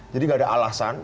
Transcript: jadi tidak ada alasan